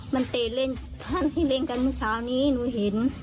มันเตรียดเล่นกันเมื่อเช้านี้หนูเห็น